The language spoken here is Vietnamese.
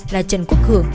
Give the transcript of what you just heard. là trần quốc hường